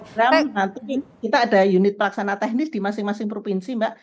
nanti kita ada unit pelaksana teknis di masing masing provinsi mbak